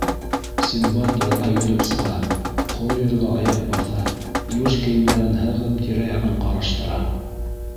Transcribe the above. Синдбад ярға йөҙөп сыға, ҡоро ергә аяҡ баҫа, еүеш кейемдәрен һығып, тирә-яғын ҡараштыра.